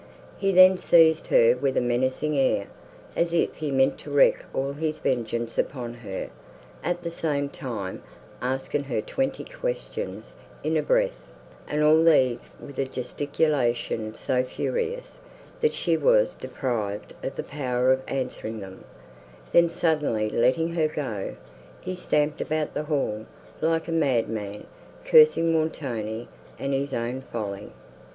He then seized her with a menacing air, as if he meant to wreak all his vengeance upon her, at the same time asking her twenty questions in a breath, and all these with a gesticulation so furious, that she was deprived of the power of answering them; then suddenly letting her go, he stamped about the hall, like a madman, cursing Montoni and his own folly.